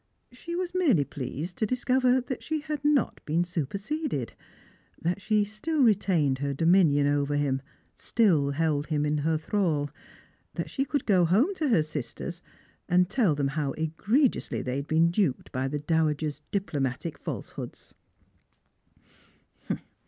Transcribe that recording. She was merely pleased to discover that she had not been Buperseded ; that she still retained her dominion over him, still held him in her thrall ; that she could go home to her sisters, and tell them how egregiously they had been duped by the dowager's diplomatic falsehoods.